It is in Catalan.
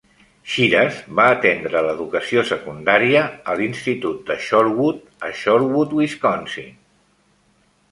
Shiras va atendre l'educació secundaria a l'Institut de Shorewood, a Shorewood, Wisconsin.